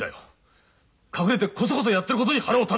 隠れてコソコソやってることに腹を立ててる！